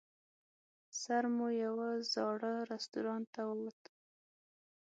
سر مو یوه زاړه رستورانت ته ووت.